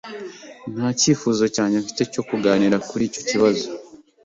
Nta cyifuzo cyanjye mfite cyo kuganira kuri icyo kibazo.